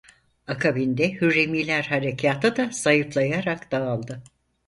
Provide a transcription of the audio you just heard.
Akabinde Hürremiler harekatı da zayıflayarak dağıldı.